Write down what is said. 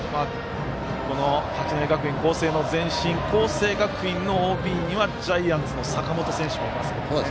この八戸学院光星の前身光星学院のＯＢにはジャイアンツの坂本選手もいますからね。